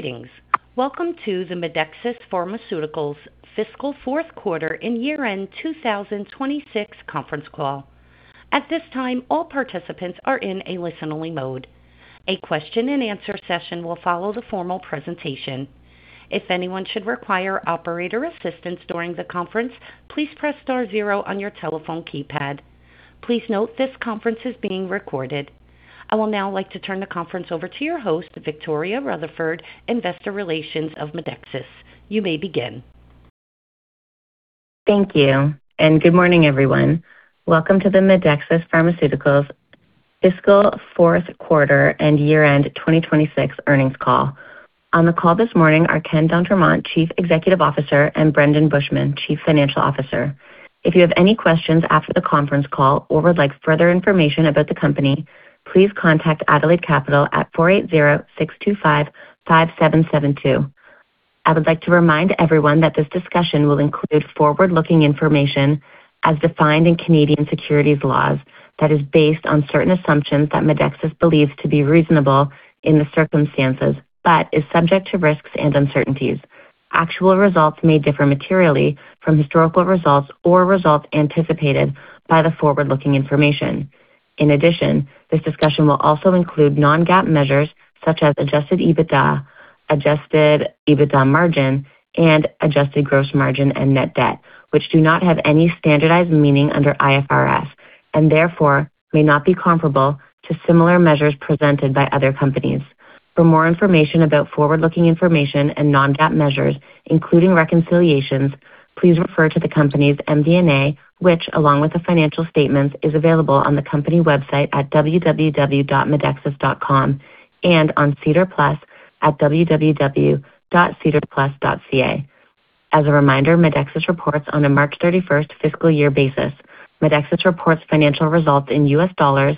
Greetings. Welcome to the Medexus Pharmaceuticals fiscal fourth quarter and year-end 2026 conference call. At this time, all participants are in a listen-only mode. A question-and- answer session will follow the formal presentation. If anyone should require operator assistance during the conference, please press star zero on your telephone keypad. Please note this conference is being recorded. I will now like to turn the conference over to your host, Victoria Rutherford, Investor Relations of Medexus. You may begin. Thank you. Good morning, everyone. Welcome to the Medexus Pharmaceuticals fiscal fourth quarter and year-end 2026 earnings call. On the call this morning are Ken d'Entremont, Chief Executive Officer, and Brendon Buschman, Chief Financial Officer. If you have any questions after the conference call or would like further information about the company, please contact Adelaide Capital at 480-625-5772. I would like to remind everyone that this discussion will include forward-looking information as defined in Canadian securities laws that is based on certain assumptions that Medexus believes to be reasonable in the circumstances, but is subject to risks and uncertainties. Actual results may differ materially from historical results or results anticipated by the forward-looking information. This discussion will also include non-GAAP measures such as adjusted EBITDA, adjusted EBITDA margin, and adjusted gross margin and net debt, which do not have any standardized meaning under IFRS and therefore may not be comparable to similar measures presented by other companies. For more information about forward-looking information and non-GAAP measures, including reconciliations, please refer to the company's MD&A, which along with the financial statements, is available on the company website at www.medexus.com and on SEDAR+ at www.sedarplus.ca. As a reminder, Medexus reports on a March 31st fiscal year basis. Medexus reports financial results in US dollars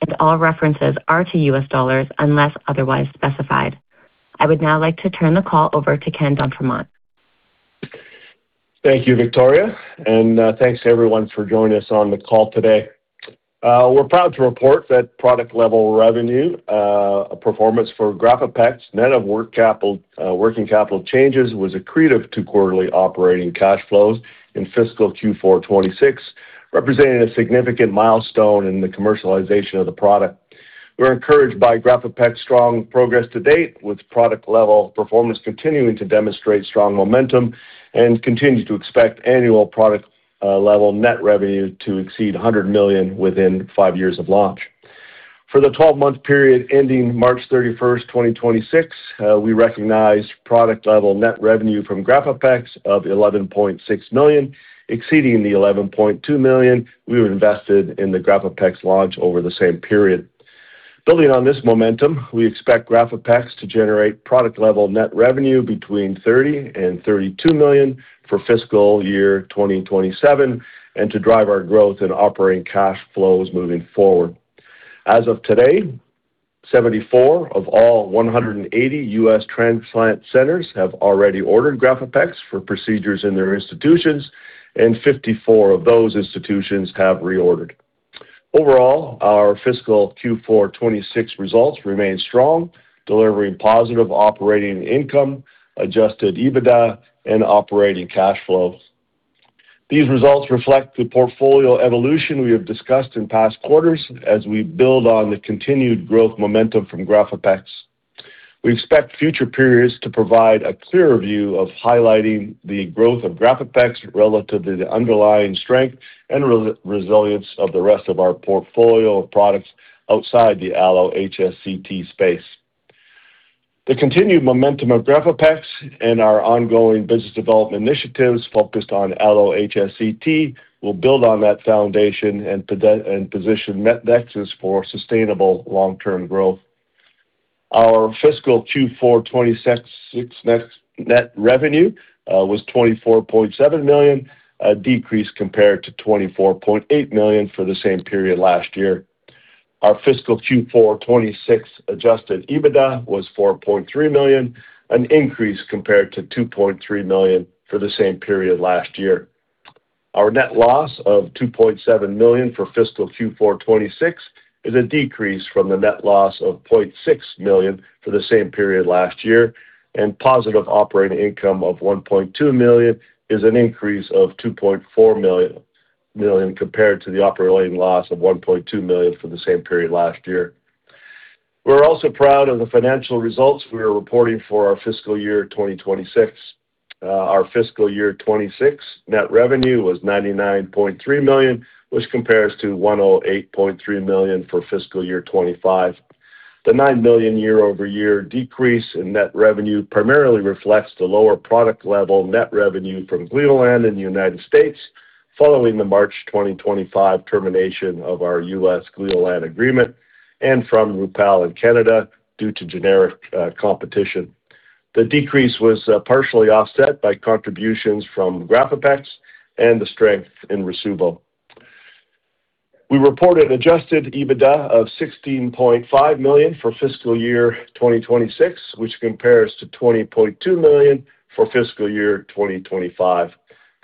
and all references are to US dollars unless otherwise specified. I would now like to turn the call over to Ken d'Entremont. Thank you, Victoria. Thanks everyone for joining us on the call today. We're proud to report that product level revenue performance for GRAFAPEX, net of working capital changes, was accretive to quarterly operating cash flows in fiscal Q4 2026, representing a significant milestone in the commercialization of the product. We're encouraged by GRAFAPEX's strong progress to date, with product level performance continuing to demonstrate strong momentum and continue to expect annual product level net revenue to exceed $100 million within five years of launch. For the 12-month period ending March 31st, 2026, we recognized product level net revenue from GRAFAPEX of $11.6 million, exceeding the $11.2 million we were invested in the GRAFAPEX launch over the same period. Building on this momentum, we expect GRAFAPEX to generate product level net revenue between $30 million and $32 million for fiscal year 2027 and to drive our growth in operating cash flows moving forward. As of today, 74 of all 180 U.S. transplant centers have already ordered GRAFAPEX for procedures in their institutions, and 54 of those institutions have reordered. Overall, our fiscal Q4 2026 results remain strong, delivering positive operating income, adjusted EBITDA, and operating cash flow. These results reflect the portfolio evolution we have discussed in past quarters as we build on the continued growth momentum from GRAFAPEX. We expect future periods to provide a clearer view of highlighting the growth of GRAFAPEX relative to the underlying strength and resilience of the rest of our portfolio of products outside the allo-HSCT space. The continued momentum of GRAFAPEX and our ongoing business development initiatives focused on allo-HSCT will build on that foundation and position Medexus for sustainable long-term growth. Our fiscal Q4 2026 net revenue was $24.7 million, a decrease compared to $24.8 million for the same period last year. Our fiscal Q4 2026 adjusted EBITDA was $4.3 million, an increase compared to $2.3 million for the same period last year. Our net loss of $2.7 million for fiscal Q4 2026 is a decrease from the net loss of $0.6 million for the same period last year, and positive operating income of $1.2 million is an increase of $2.4 million compared to the operating loss of $1.2 million for the same period last year. We're also proud of the financial results we are reporting for our fiscal year 2026. Our fiscal year 2026 net revenue was $99.3 million, which compares to $108.3 million for fiscal year 2025. The $9 million year-over-year decrease in net revenue primarily reflects the lower product level net revenue from Gleolan in the United States following the March 2025 termination of our U.S. Gleolan agreement, and from Rupall in Canada due to generic competition. The decrease was partially offset by contributions from GRAFAPEX and the strength in Rasuvo. We reported adjusted EBITDA of $16.5 million for fiscal year 2026, which compares to $20.2 million for fiscal year 2025.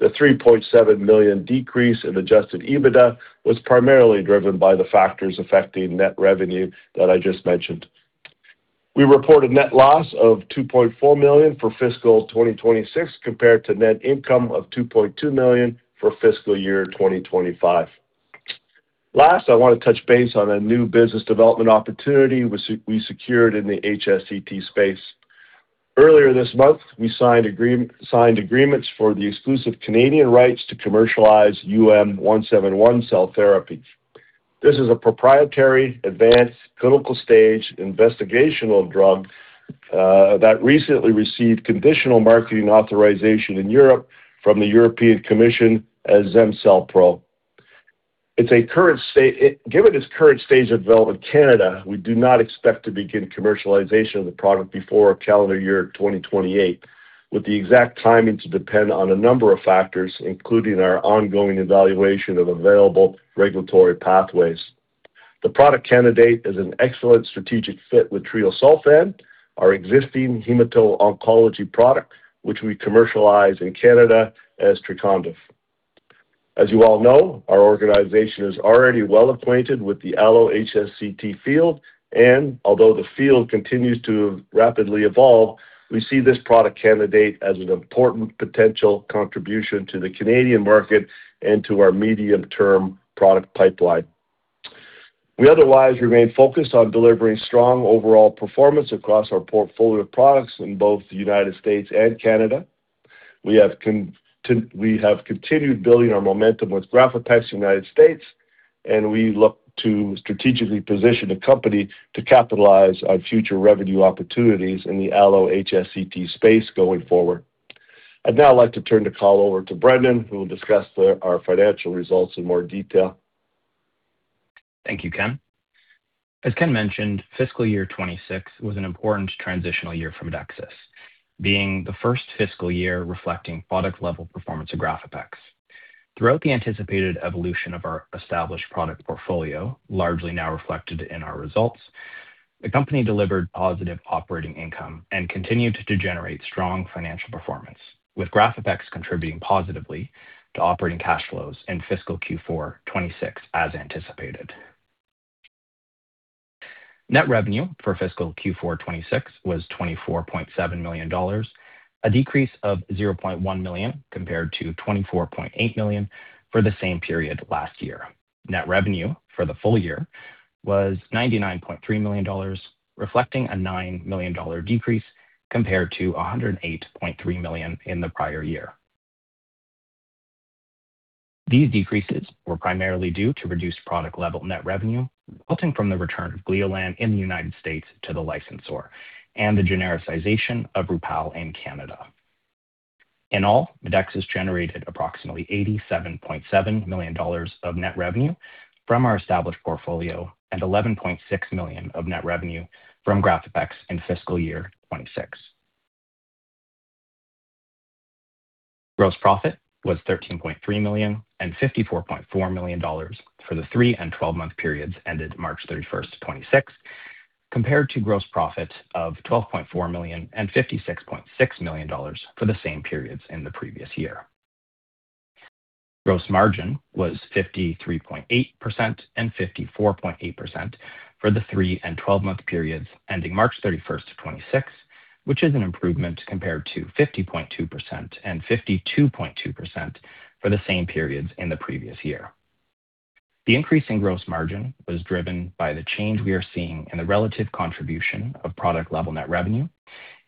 The $3.7 million decrease in adjusted EBITDA was primarily driven by the factors affecting net revenue that I just mentioned. We reported net loss of $2.4 million for fiscal year 2026 compared to net income of $2.2 million for fiscal year 2025. Last, I want to touch base on a new business development opportunity we secured in the HSCT space. Earlier this month, we signed agreements for the exclusive Canadian rights to commercialize UM171 Cell Therapy. This is a proprietary advanced clinical stage investigational drug that recently received conditional marketing authorization in Europe from the European Commission as Zemcelpro. Given its current stage of development in Canada, we do not expect to begin commercialization of the product before calendar year 2028, with the exact timing to depend on a number of factors, including our ongoing evaluation of available regulatory pathways. The product candidate is an excellent strategic fit with treosulfan, our existing hemato-oncology product, which we commercialize in Canada as Trecondyv. As you all know, our organization is already well acquainted with the allo-HSCT field, although the field continues to rapidly evolve, we see this product candidate as an important potential contribution to the Canadian market and to our medium-term product pipeline. We otherwise remain focused on delivering strong overall performance across our portfolio of products in both the United States and Canada. We have continued building our momentum with GRAFAPEX United States, we look to strategically position the company to capitalize on future revenue opportunities in the allo-HSCT space going forward. I'd now like to turn the call over to Brendon, who will discuss our financial results in more detail. Thank you, Ken. As Ken mentioned, fiscal year 2026 was an important transitional year for Medexus, being the first fiscal year reflecting product level performance of GRAFAPEX. Throughout the anticipated evolution of our established product portfolio, largely now reflected in our results, the company delivered positive operating income and continued to generate strong financial performance, with GRAFAPEX contributing positively to operating cash flows in fiscal Q4 2026 as anticipated. Net revenue for fiscal Q4 2026 was $24.7 million, a decrease of $0.1 million compared to $24.8 million for the same period last year. Net revenue for the full year was $99.3 million, reflecting a $9 million decrease compared to $108.3 million in the prior year. These decreases were primarily due to reduced product level net revenue resulting from the return of Gleolan in the United States to the licensor and the genericization of Rupall in Canada. In all, Medexus generated approximately $87.7 million of net revenue from our established portfolio and $11.6 million of net revenue from GRAFAPEX in fiscal year 2026. Gross profit was $13.3 million and $54.4 million for the 3- and 12-month periods ended March 31, 2026, compared to gross profit of $12.4 million and $56.6 million for the same periods in the previous year. Gross margin was 53.8% and 54.8% for the 3- and 12-month periods ending March 31, 2026, which is an improvement compared to 50.2% and 52.2% for the same periods in the previous year. The increase in gross margin was driven by the change we are seeing in the relative contribution of product level net revenue,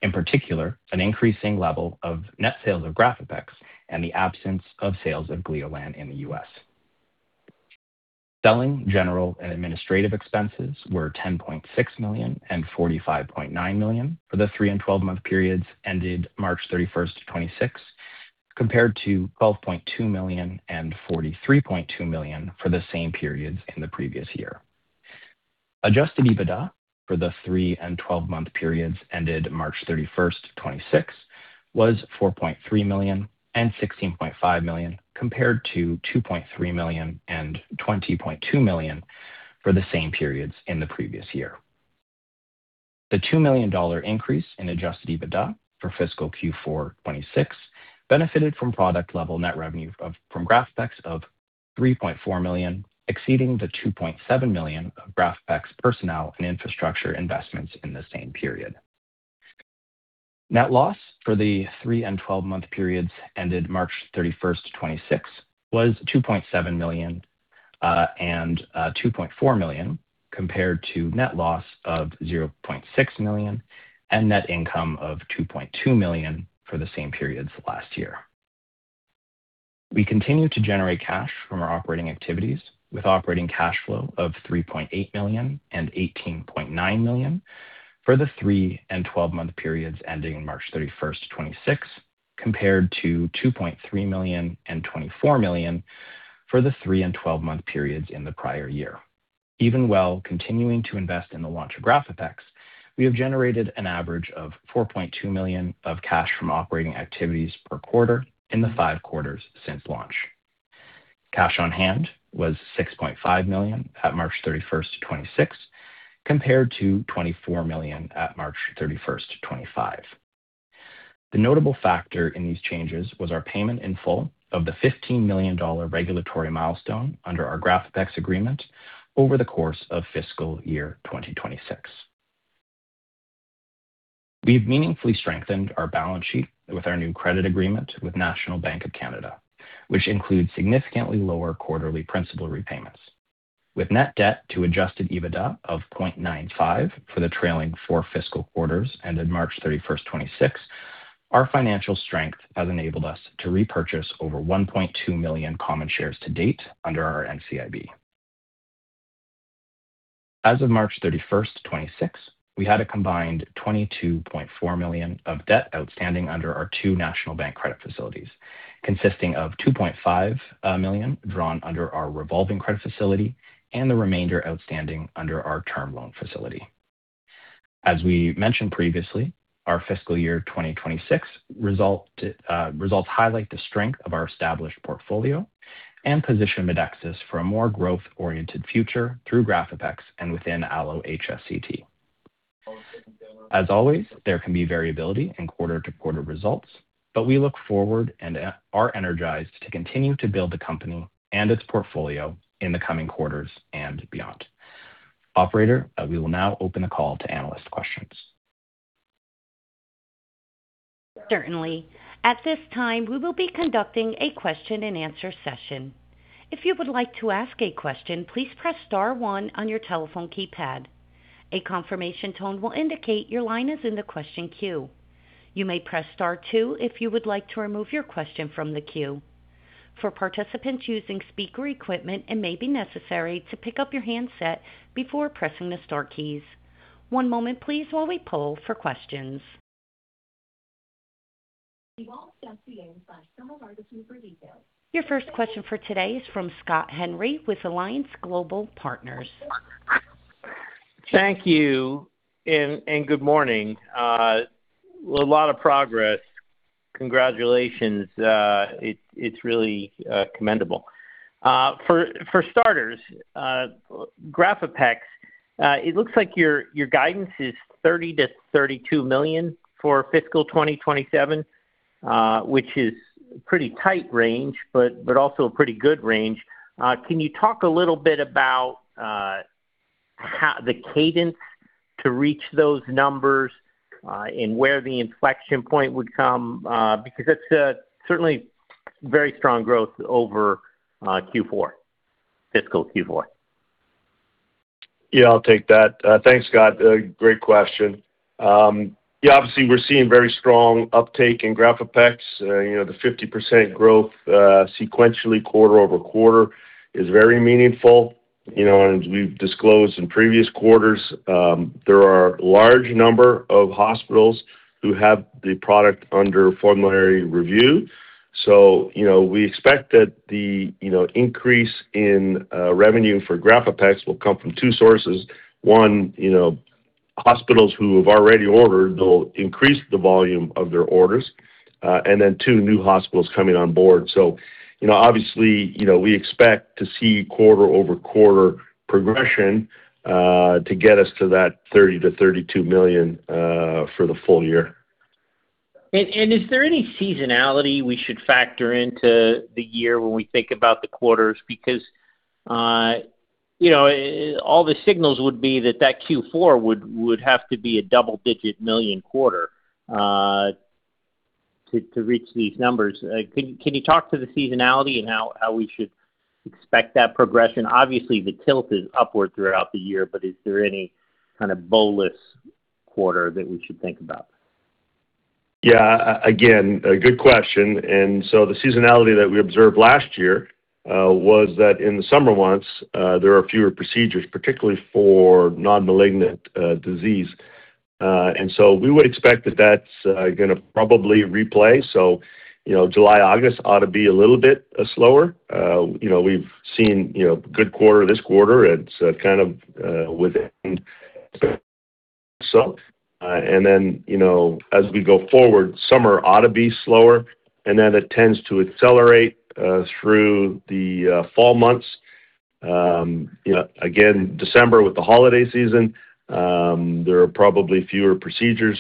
in particular an increasing level of net sales of GRAFAPEX and the absence of sales of Gleolan in the U.S. Selling general and administrative expenses were $10.6 million and $45.9 million for the 3- and 12-month periods ended March 31st, 2026, compared to $12.2 million and $43.2 million for the same periods in the previous year. Adjusted EBITDA for the 3- and 12-month periods ended March 31st, 2026, was $4.3 million and $16.5 million, compared to $2.3 million and $20.2 million for the same periods in the previous year. The $2 million increase in adjusted EBITDA for fiscal Q4 2026 benefited from product level net revenue from GRAFAPEX of $3.4 million, exceeding the $2.7 million of GRAFAPEX personnel and infrastructure investments in the same period. Net loss for the 3- and 12-month periods ended March 31st, 2026, was $2.7 million and $2.4 million compared to net loss of $0.6 million and net income of $2.2 million for the same periods last year. We continue to generate cash from our operating activities with operating cash flow of $3.8 million and $18.9 million for the 3- and 12-month periods ending March 31st, 2026 compared to $2.3 million and $24 million for the 3- and 12-month periods in the prior year. Even while continuing to invest in the launch of GRAFAPEX, we have generated an average of $4.2 million of cash from operating activities per quarter in the five quarters since launch. Cash on hand was $6.5 million at March 31st, 2026 compared to $24 million at March 31st, 2025. The notable factor in these changes was our payment in full of the $15 million regulatory milestone under our GRAFAPEX agreement over the course of fiscal year 2026. We've meaningfully strengthened our balance sheet with our new credit agreement with National Bank of Canada, which includes significantly lower quarterly principal repayments. With net debt-to-adjusted EBITDA of 0.95% for the trailing four fiscal quarters ended March 31st, 2026, our financial strength has enabled us to repurchase over $1.2 million common shares to-date under our NCIB. As of March 31st, 2026, we had a combined $22.4 million of debt outstanding under our two National Bank credit facilities, consisting of $2.5 million drawn under our revolving credit facility and the remainder outstanding under our term loan facility. As we mentioned previously, our fiscal year 2026 results highlight the strength of our established portfolio and position Medexus for a more growth-oriented future through GRAFAPEX and within allo-HSCT. As always, there can be variability in quarter-to-quarter results, we look forward and are energized to continue to build the company and its portfolio in the coming quarters and beyond. Operator, we will now open the call to analyst questions. Certainly. At this time, we will be conducting a question-and-answer session. If you would like to ask a question, please press star one on your telephone keypad. A confirmation tone will indicate your line is in the question queue. You may press star two if you would like to remove your question from the queue. For participants using speaker equipment, it may be necessary to pick up your handset before pressing the star keys. One moment please while we poll for questions. Your first question for today is from Scott Henry with Alliance Global Partners. Thank you. Good morning. A lot of progress. Congratulations. It's really commendable. For starters, GRAFAPEX, it looks like your guidance is $30 million-$32 million for fiscal 2027, which is pretty tight range, also a pretty good range. Can you talk a little bit about the cadence to reach those numbers, and where the inflection point would come? That's certainly very strong growth over fiscal Q4. I'll take that. Thanks, Scott. Great question. Obviously, we're seeing very strong uptake in GRAFAPEX. The 50% growth sequentially quarter-over-quarter is very meaningful. As we've disclosed in previous quarters, there are a large number of hospitals who have the product under formulary review. We expect that the increase in revenue for GRAFAPEX will come from two sources. One, hospitals who have already ordered will increase the volume of their orders. Two, new hospitals coming on board. Obviously, we expect to see quarter-over-quarter progression to get us to that $30 million-$32 million for the full-year. Is there any seasonality we should factor into the year when we think about the quarters? All the signals would be that Q4 would have to be a double-digit million quarter to reach these numbers. Can you talk to the seasonality and how we should expect that progression? Obviously, the tilt is upward throughout the year, but is there any kind of [ballast] quarter that we should think about? Again, a good question. The seasonality that we observed last year was that in the summer months, there are fewer procedures, particularly for non-malignant disease. We would expect that that's going to probably replay. July, August ought to be a little bit slower. We've seen a good quarter this quarter. It's kind of within. As we go forward, summer ought to be slower, and it tends to accelerate through the fall months. Again, December with the holiday season, there are probably fewer procedures.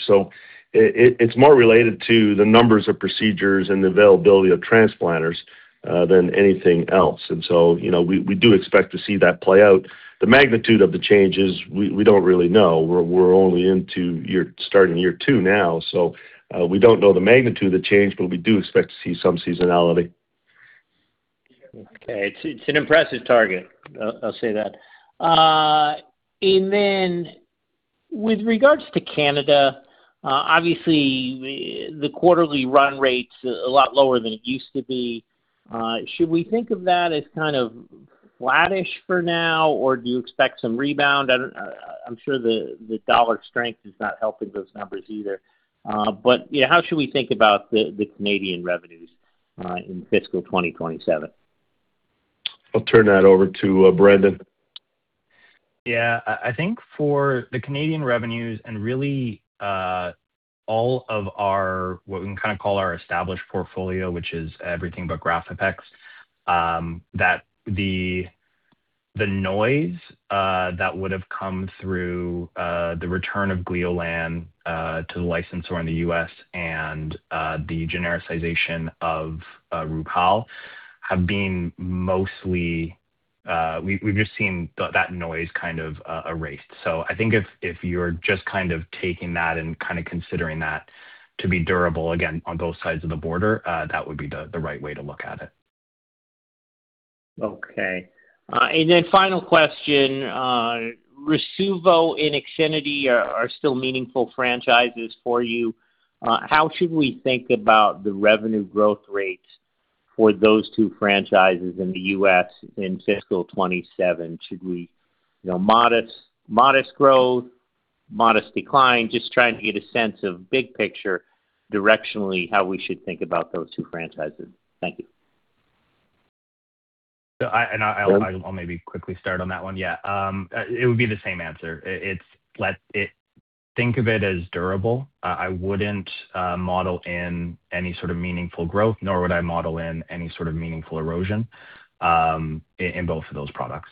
It's more related to the numbers of procedures and the availability of transplanters than anything else. We do expect to see that play out. The magnitude of the changes, we don't really know. We're only starting year two now, we don't know the magnitude of the change, but we do expect to see some seasonality. Okay. It's an impressive target, I'll say that. With regards to Canada, obviously the quarterly run-rate's a lot lower than it used to be. Should we think of that as kind of flattish for now, or do you expect some rebound? I'm sure the dollar strength is not helping those numbers either. How should we think about the Canadian revenues in fiscal 2027? I'll turn that over to Brendon. Yeah. I think for the Canadian revenues and really all of our, what we can call our established portfolio, which is everything but GRAFAPEX, that the noise that would have come through the return of Gleolan to the licensor in the U.S. and the genericization of Rupall have been. We've just seen that noise kind of erased. I think if you're just taking that and considering that to be durable, again, on both sides of the border, that would be the right way to look at it. Okay. Final question. Rasuvo and IXINITY are still meaningful franchises for you. How should we think about the revenue growth rates for those two franchises in the U.S. in fiscal 2027? Modest growth? Modest decline? Just trying to get a sense of big picture, directionally, how we should think about those two franchises. Thank you. I'll maybe quickly start on that one. Yeah. It would be the same answer. Think of it as durable. I wouldn't model in any sort of meaningful growth, nor would I model in any sort of meaningful erosion in both of those products.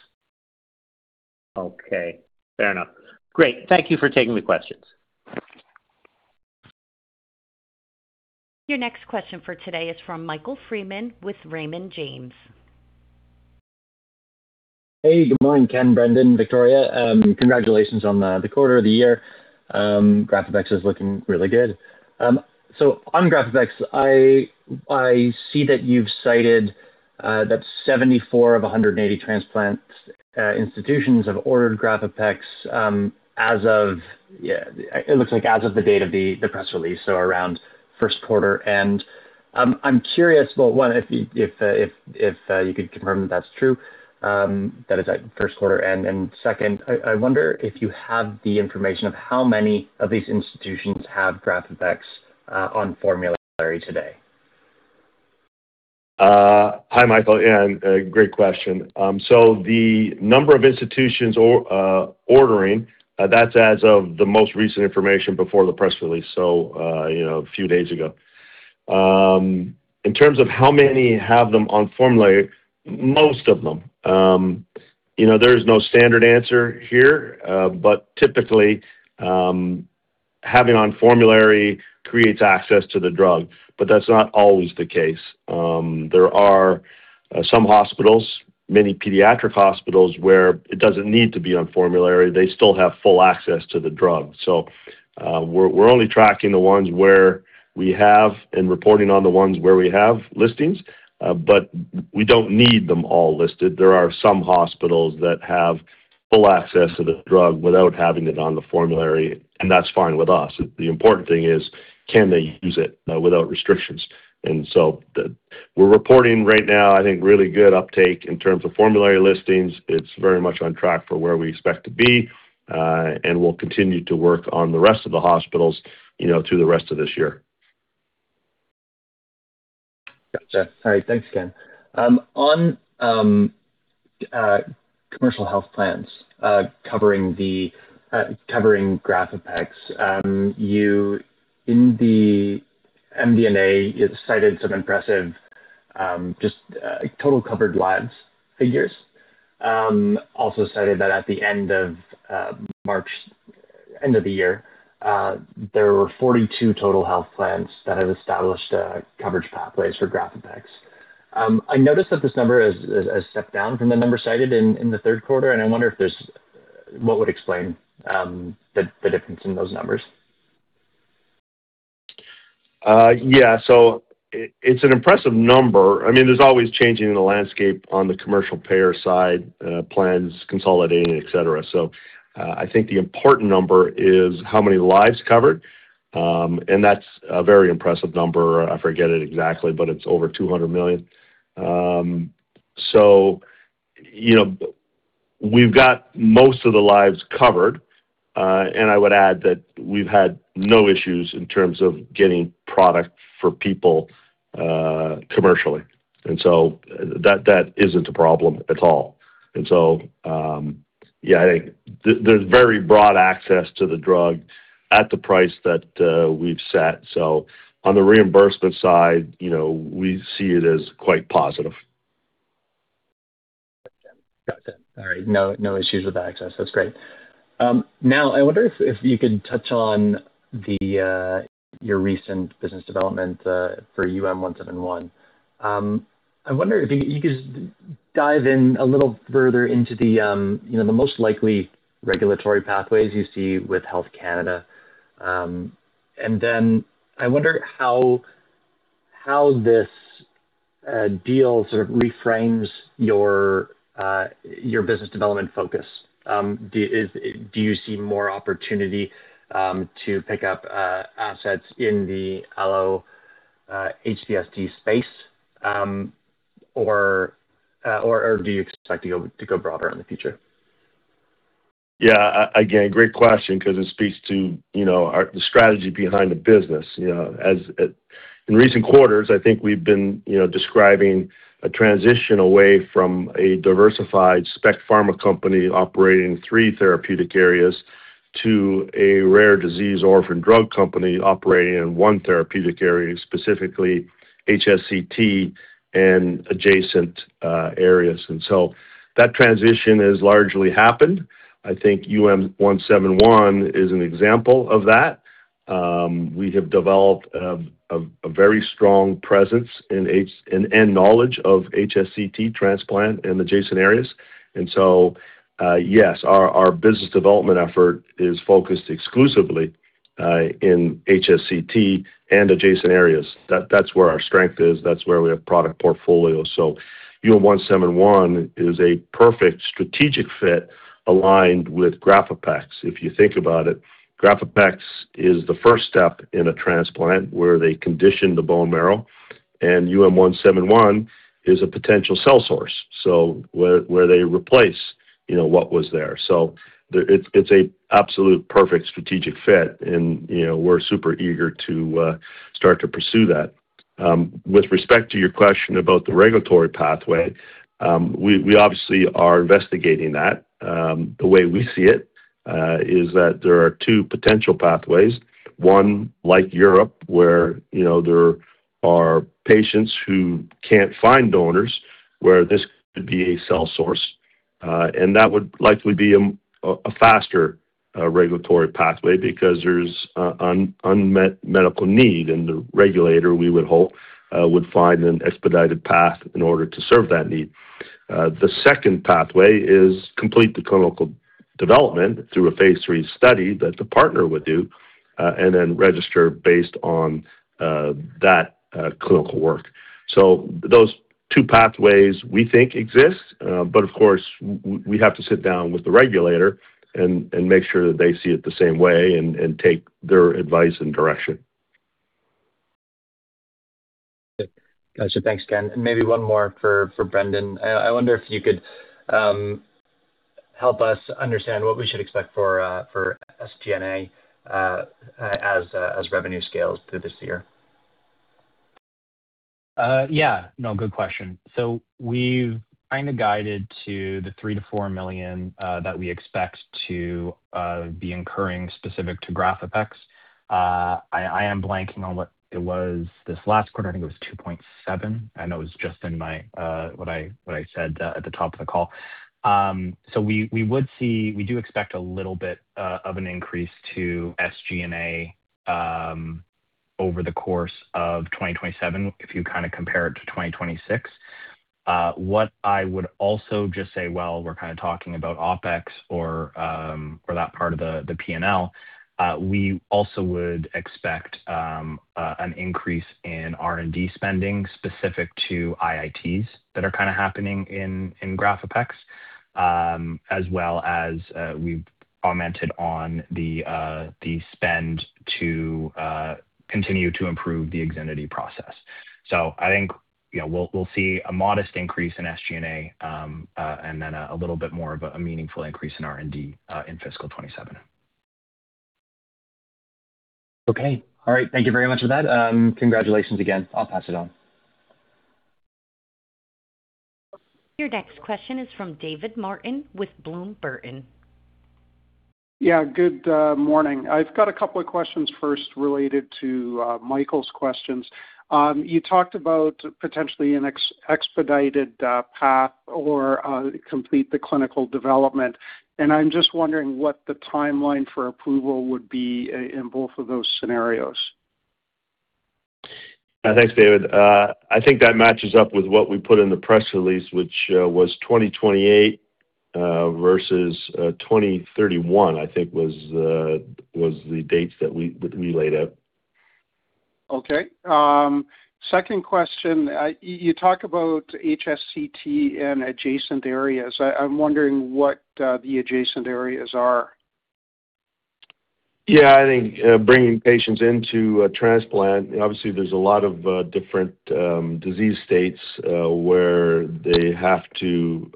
Okay. Fair enough. Great. Thank you for taking the questions. Your next question for today is from Michael Freeman with Raymond James. Hey, good morning, Ken, Brendon, Victoria. Congratulations on the quarter of the year. GRAFAPEX is looking really good. On GRAFAPEX, I see that you've cited that 74 of 180 transplant institutions have ordered GRAFAPEX, it looks like as of the date of the press release, around first quarter. I'm curious about, one, if you could confirm that that's true, that is at first quarter. Second, I wonder if you have the information of how many of these institutions have GRAFAPEX on formulary today. Hi, Michael. Great question. The number of institutions ordering, that is as of the most recent information before the press release, a few days ago. In terms of how many have them on formulary, most of them. There is no standard answer here, but typically, having on formulary creates access to the drug, but that is not always the case. There are some hospitals, many pediatric hospitals, where it does not need to be on formulary. They still have full access to the drug. We are only tracking the ones where we have, and reporting on the ones where we have listings. We do not need them all listed. There are some hospitals that have full access to the drug without having it on the formulary, and that is fine with us. The important thing is, can they use it without restrictions? We are reporting right now, I think really good uptake in terms of formulary listings. It is very much on track for where we expect to be, and we will continue to work on the rest of the hospitals through the rest of this year. Gotcha. All right. Thanks, Ken. On commercial health plans covering GRAFAPEX, in the MD&A, you cited some impressive just total covered lives figures. Also cited that at the end of March, end of the year, there were 42 total health plans that have established coverage pathways for GRAFAPEX. I noticed that this number has stepped down from the number cited in the third quarter, and I wonder what would explain the difference in those numbers? Yes. It is an impressive number. There is always changing in the landscape on the commercial payer side, plans consolidating, et cetera. I think the important number is how many lives covered, and that is a very impressive number. I forget it exactly, but it is over 200 million. We have got most of the lives covered, and I would add that we have had no issues in terms of getting product for people commercially. That is not a problem at all. Yes, I think there is very broad access to the drug at the price that we have set. On the reimbursement side, we see it as quite positive. Gotcha. All right. No issues with access. That's great. I wonder if you could touch on your recent business development for UM171. I wonder if you could dive in a little further into the most likely regulatory pathways you see with Health Canada. I wonder how this deal sort of reframes your business development focus. Do you see more opportunity to pick up assets in the allo-HSCT space? Do you expect to go broader in the future? Yeah. Again, great question because it speaks to the strategy behind the business. In recent quarters, I think we've been describing a transition away from a diversified spec pharma company operating three therapeutic areas to a rare disease orphan drug company operating in one therapeutic area, specifically HSCT and adjacent areas. That transition has largely happened. I think UM171 is an example of that. We have developed a very strong presence and knowledge of HSCT transplant and adjacent areas. Yes, our business development effort is focused exclusively in HSCT and adjacent areas. That's where our strength is, that's where we have product portfolio. UM171 is a perfect strategic fit aligned with GRAFAPEX. If you think about it, GRAFAPEX is the first step in a transplant where they condition the bone marrow, UM171 is a potential cell source, so where they replace what was there. It's an absolute perfect strategic fit and we're super eager to start to pursue that. With respect to your question about the regulatory pathway, we obviously are investigating that. The way we see it is that there are two potential pathways. One, like Europe, where there are patients who can't find donors, where this could be a cell source. That would likely be a faster regulatory pathway because there's unmet medical need, and the regulator, we would hope, would find an expedited path in order to serve that need. The second pathway is complete the clinical development through a phase III study that the partner would do, and then register based on that clinical work. Those two pathways we think exist. Of course, we have to sit down with the regulator and make sure that they see it the same way and take their advice and direction. Got you. Thanks, Ken. Maybe one more for Brendon. I wonder if you could help us understand what we should expect for SG&A as revenue scales through this year. Yeah. No, good question. We've kind of guided to the $3 million-$4 million that we expect to be incurring specific to GRAFAPEX. I am blanking on what it was this last quarter. I think it was $2.7 million. I know it was just in my, what I said at the top of the call. We do expect a little bit of an increase to SG&A over the course of 2027, if you compare it to 2026. I would also just say while we're talking about OpEx or that part of the P&L, we also would expect an increase in R&D spending specific to IITs that are happening in GRAFAPEX, as well as we've augmented on the spend to continue to improve the IXINITY process. I think we'll see a modest increase in SG&A, and then a little bit more of a meaningful increase in R&D, in fiscal 2027. Okay. All right. Thank you very much for that. Congratulations again. I'll pass it on. Your next question is from David Martin with Bloom Burton. Yeah, good morning. I've got a couple of questions first related to Michael's questions. You talked about potentially an expedited path or complete the clinical development. I'm just wondering what the timeline for approval would be in both of those scenarios. Thanks, David. I think that matches up with what we put in the press release, which was 2028 versus 2031, I think, was the dates that we laid out. Okay. Second question, you talk about HSCT and adjacent areas. I'm wondering what the adjacent areas are. Yeah, I think bringing patients into a transplant, obviously there's a lot of different disease states where they have to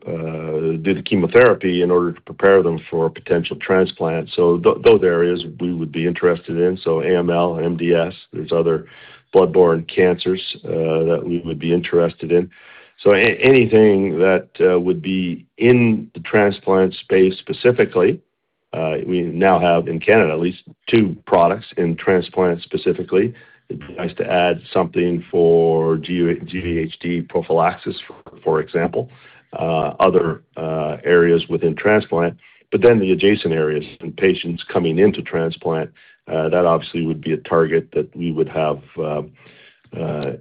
do the chemotherapy in order to prepare them for a potential transplant. Those areas we would be interested in, AML, MDS, there's other blood-borne cancers that we would be interested in. Anything that would be in the transplant space specifically, we now have in Canada at least two products in transplant specifically. It'd be nice to add something for GvHD prophylaxis, for example, other areas within transplant. The adjacent areas and patients coming into transplant, that obviously would be a target that we would have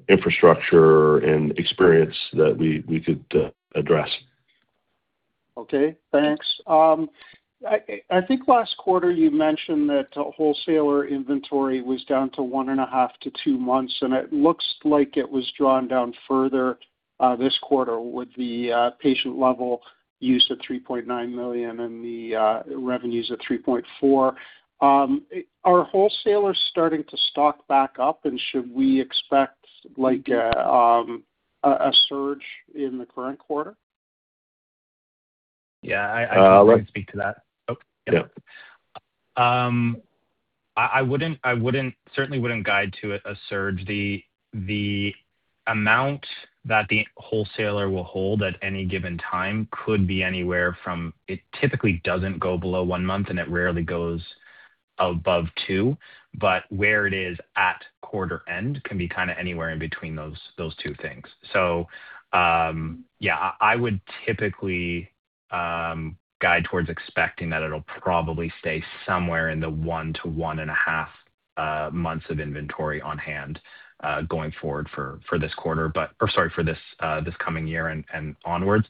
infrastructure and experience that we could address. Okay, thanks. I think last quarter you mentioned that wholesaler inventory was down to one and a half to two months, and it looks like it was drawn down further this quarter with the patient level use of $3.9 million and the revenues of $3.4 million. Are wholesalers starting to stock back up, and should we expect a surge in the current quarter? Yeah, I can speak to that. Yeah. I certainly wouldn't guide to a surge. The amount that the wholesaler will hold at any given time could be anywhere from, it typically doesn't go below one month, and it rarely goes above two, but where it is at quarter end can be kind of anywhere in between those two things. Yeah, I would typically guide towards expecting that it'll probably stay somewhere in the one to one and a half months of inventory on hand, going forward for this coming year and onwards.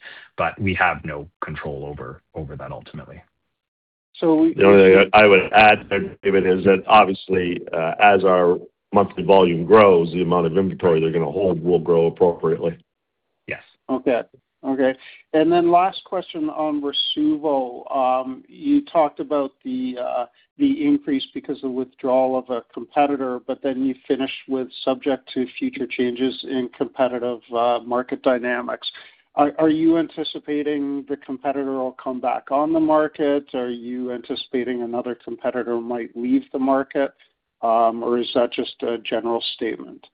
We have no control over that ultimately. The only thing I would add, David, is that obviously, as our monthly volume grows, the amount of inventory they're going to hold will grow appropriately. Yes. Okay. Last question on Rasuvo. You talked about the increase because of withdrawal of a competitor, you finished with subject to future changes in competitive market dynamics. Are you anticipating the competitor will come back on the market? Are you anticipating another competitor might leave the market? Is that just a general statement?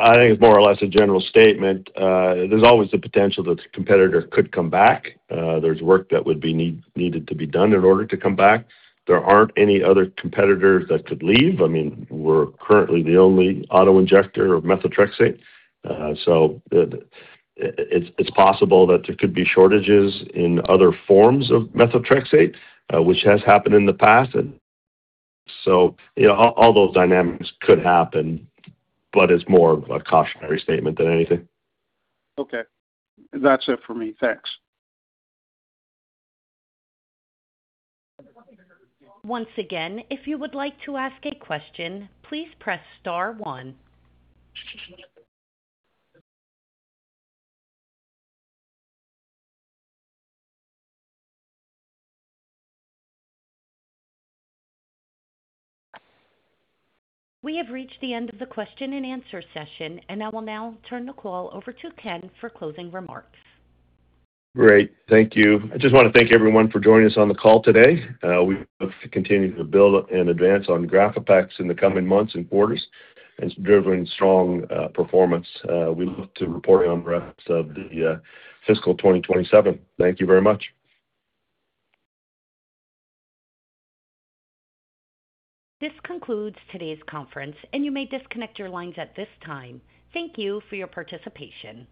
I think it's more or less a general statement. There's always the potential that the competitor could come back. There's work that would be needed to be done in order to come back. There aren't any other competitors that could leave. I mean, we're currently the only auto-injector of methotrexate. It's possible that there could be shortages in other forms of methotrexate, which has happened in the past. All those dynamics could happen, it's more of a cautionary statement than anything. Okay. That's it for me. Thanks. Once again, if you would like to ask a question, please press star one. We have reached the end of the question-and-answer session, and I will now turn the call over to Ken for closing remarks. Great. Thank you. I just want to thank everyone for joining us on the call today. We look to continue to build and advance on GRAFAPEX in the coming months and quarters, and it's driven strong performance. We look to reporting on the rest of the fiscal 2027. Thank you very much. This concludes today's conference, and you may disconnect your lines at this time. Thank you for your participation.